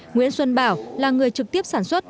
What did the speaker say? nguyễn xuân bảo là người trực tiếp sản xuất